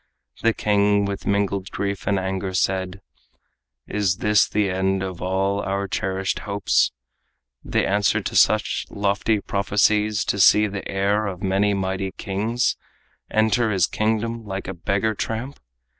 The king with mingled grief and anger said: "Is this the end of all our cherished hopes, The answer to such lofty prophecies, To see the heir of many mighty king's Enter his kingdom like a beggar tramp?